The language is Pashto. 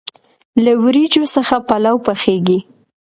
له وریجو څخه پلو پخیږي.